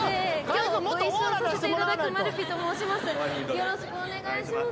よろしくお願いします。